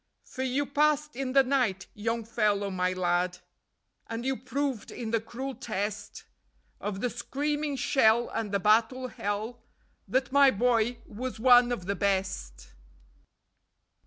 _ For you passed in the night, Young Fellow My Lad, And you proved in the cruel test Of the screaming shell and the battle hell That my boy was one of the best.